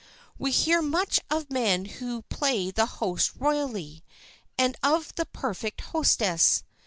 We hear much of men who play the host royally, and of the perfect hostess.